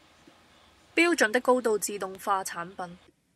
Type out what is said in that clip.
標準的高度自動化產品